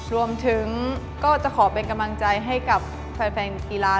รวมถึงก็จะขอเป็นกำลังใจให้กับแฟนกีฬา